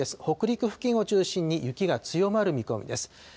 北陸付近を中心に雪が強まる見込みです。